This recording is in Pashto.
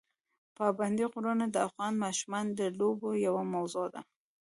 پابندي غرونه د افغان ماشومانو د لوبو یوه موضوع ده.